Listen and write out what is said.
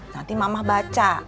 nanti mamah baca